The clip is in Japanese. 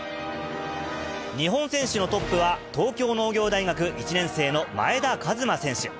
日本選手のトップは、東京農業大学１年生の前田和摩選手。